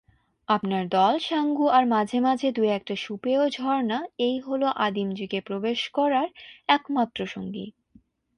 আপনার দল, সাঙ্গু আর মাঝেমাঝে দুয়েকটা সুপেয় ঝর্না, এই হল আদিমযুগে প্রবেশ করার একমাত্রসঙ্গী।